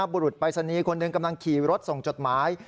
บุรุษปรายศนีย์คนหนึ่งกำลังขี่รถส่งจดหมาย